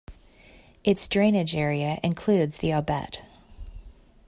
Its drainage area includes the Aubette.